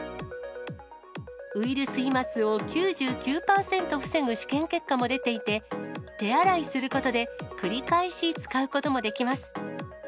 ウイルス飛まつを９９％防ぐ試験結果も出ていて、手洗いすることで、繰り返し使うこともできます。